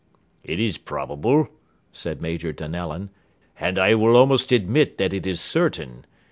"It is probable," said Major Donellan, "and I will almost admit that it is certain.